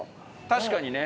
確かにね。